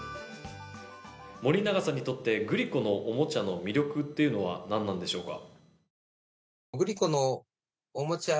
森永さんにとってグリコのおもちゃの魅力は何なんでしょうか。